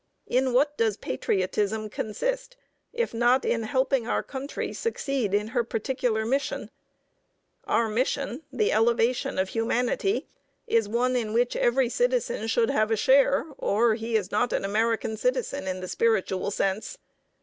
In what does patriotism consist if not in helping our country succeed in her particular mission? Our mission the elevation of humanity is one in which every citizen should have a share, or he is not an American citizen in the spiritual sense.